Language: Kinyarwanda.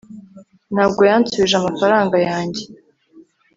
ntabwo yansubije amafaranga yanjye